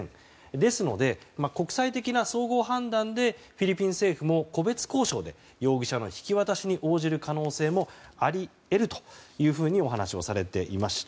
ですので、国際的な総合判断でフィリピン政府も個別交渉で容疑者の引き渡しに応じる可能性もあり得るというふうにお話をされていました。